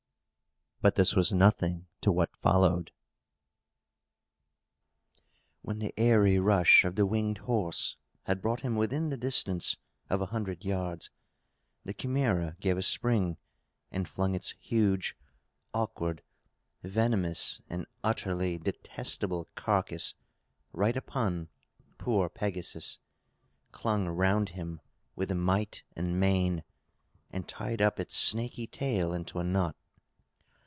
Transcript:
But this was nothing to what followed. When the airy rush of the winged horse had brought him within the distance of a hundred yards, the Chimæra gave a spring, and flung its huge, awkward, venomous, and utterly detestable carcass right upon poor Pegasus, clung round him with might and main, and tied up its snaky tail into a knot!